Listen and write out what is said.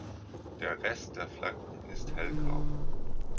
Der Rest der Flanken ist hellgrau.